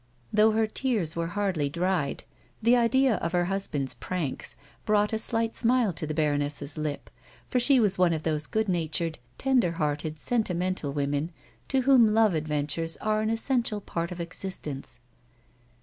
Though her tears were hardly dried, the idea of her hus band's pranks brought a slight smile to the baroness's lips. 118 A WOMAN'S LIFE. for she was one of those good natured, tender hearted, sentimental womcu to whom love adventures are an essential part of existence.